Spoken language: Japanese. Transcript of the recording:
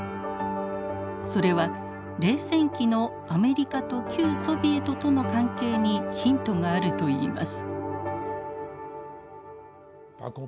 それは冷戦期のアメリカと旧ソビエトとの関係にヒントがあるといいます。